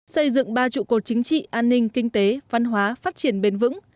xây dựng ba trụ cột chính trị an ninh kinh tế văn hóa phát triển bền vững